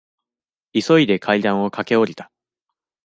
急いで階段を駆け下りた。